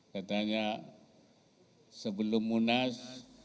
katanya sebelum munas